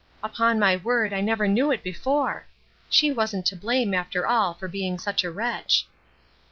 Upon my word I never knew it before. She wasn't to blame, after all, for being such a wretch."